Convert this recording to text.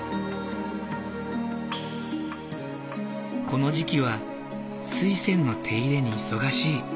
この時期はスイセンの手入れに忙しい。